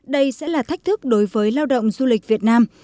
đây sẽ là thách thức đối với lao động du lịch việt nam